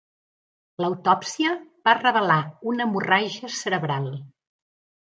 L'autòpsia va revelar una hemorràgia cerebral.